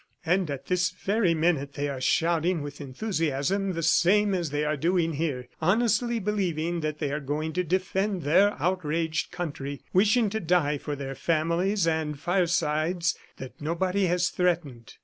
... "And at this very minute, they are shouting with enthusiasm the same as they are doing here, honestly believing that they are going to defend their outraged country, wishing to die for their families and firesides that nobody has threatened."